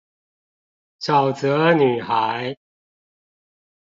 沼澤女孩